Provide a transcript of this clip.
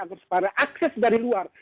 agar supaya akses dari luar